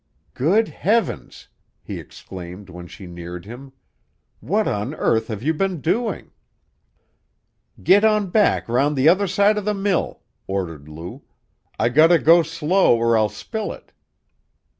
"Good Heavens!" he exclaimed when she neared him. "What on earth have you been doing?" "Git on back 'round the other side of the mill!" ordered Lou. "I gotta go slow or I'll spill it."